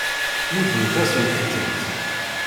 Muddent-asent-tent.